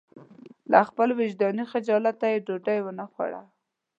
له خپل وجداني خجالته یې ډوډۍ ونه خوړه.